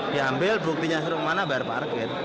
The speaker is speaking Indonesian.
dihambil buktinya suruh kemana bayar parkir